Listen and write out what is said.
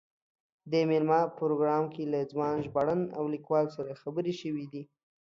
د مېلمه پروګرام کې له ځوان ژباړن او لیکوال سره خبرې شوې دي.